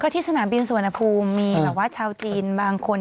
ที่สนามบินสุวรรณภูมิมีแบบว่าชาวจีนบางคน